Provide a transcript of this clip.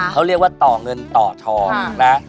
เขาเรียกว่าต่อเงินต่อทองนะ